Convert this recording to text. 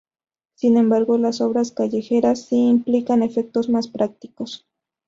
Sin embargo las obras callejeras si implican efectos más prácticos.